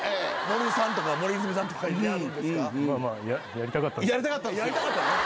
やりたかった。